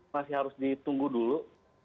masih harus ditunggu dulu